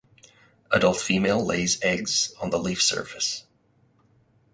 Adult female lays eggs on the leaf surface.